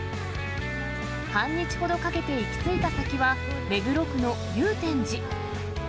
半日ほどかけて行き着いた先は、目黒区の祐天寺。